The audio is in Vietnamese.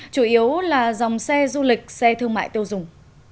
chủ yếu là dòng xe du lịch xe thương mại tiêu dùng